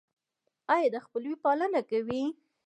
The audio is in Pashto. ایا د خپلوۍ پالنه کوئ؟